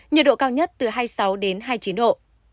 nhiệt độ cao nhất từ hai mươi sáu đến hai mươi chín độ